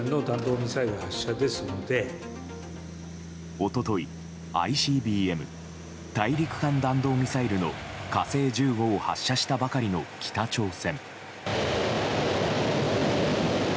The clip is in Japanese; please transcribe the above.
一昨日ＩＣＢＭ・大陸間弾道ミサイルの「火星１５」を発射したばかりの北朝鮮。